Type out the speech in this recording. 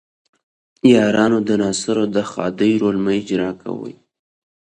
یارانو د ناصرو د خدۍ رول مه اجراء کوئ.